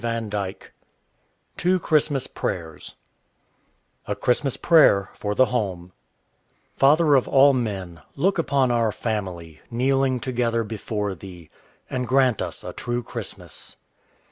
TWO CHRISTMAS PRAYERS A CHRISTMAS PRAYER FOR THE HOME Father of all men, look upon our family, Kneeling together before Thee, And grant us a true Christmas.